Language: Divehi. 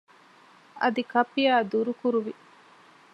އަދި ކައްޕިއާ ދުރުކުރުވި